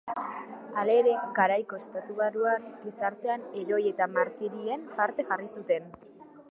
Halere, garaiko estatubatuar gizartean heroi eta martirien pare jarri zuten.